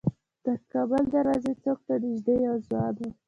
د کابل دروازې څوک ته نیژدې یو ځوان و.